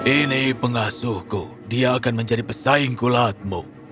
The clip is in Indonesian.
ini pengasuhku dia akan menjadi pesaing kulatmu